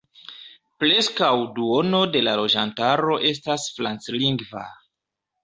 Preskaŭ duono de la loĝantaro estas franclingva.